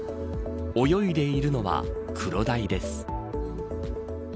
泳いでいるのはクロダイです。